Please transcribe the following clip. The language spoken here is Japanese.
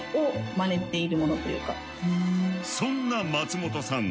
そんな松本さん